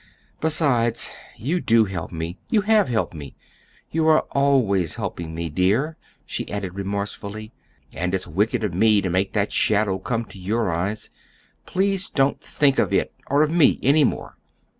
Besides, you do help me, you have helped me, you are always helping me, dear," she added remorsefully; "and it's wicked of me to make that shadow come to your eyes. Please don't think of it, or of me, any more."